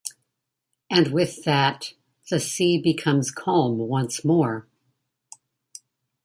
And with that, the sea becomes calm once more.